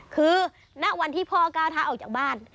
คือณวันที่พ่อก้าวท้าออกจากบ้าน